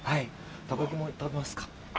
たこ焼きも食べますか？